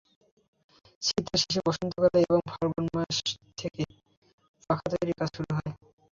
শীতের শেষে বসন্তকালে অর্থাৎ ফাল্গুন মাস থেকে পাখা তৈরির কাজ শুরু হয়।